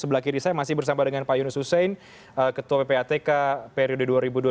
sebelah kiri saya masih bersama dengan pak yunus hussein ketua ppatk periode dua ribu dua puluh